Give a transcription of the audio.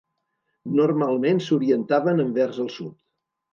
Normalment s'orientaven envers el sud.